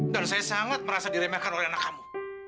dan saya sangat merasa diremehkan oleh anak kamu